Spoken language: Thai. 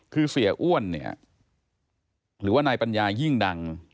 คือเสียอ้วนเนี่ยหรือว่านายปัญญายิ่งดัง